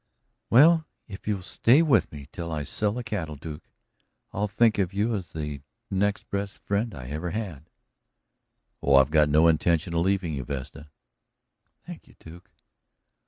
"Well, if you'll stay with me till I sell the cattle, Duke, I'll think of you as the next best friend I ever had." "I've got no intention of leaving you, Vesta." "Thank you, Duke."